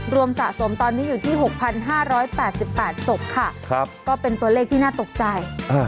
สะสมตอนนี้อยู่ที่๖๕๘๘ศพค่ะก็เป็นตัวเลขที่น่าตกใจ